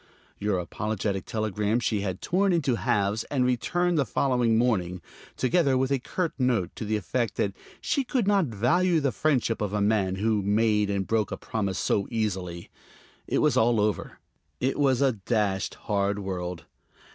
Your apologetic telegram she had torn into halves and returned the following morning, together with a curt note to the effect that she could not value the friendship of a man who made and broke a promise so easily. It was all over. It was a dashed hard world.